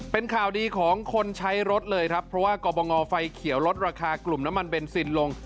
เป็นข่าวดีของคนใช้รถเลยครับเพราะว่ากรบงไฟเขียวลดราคากลุ่มน้ำมันเบนซินลง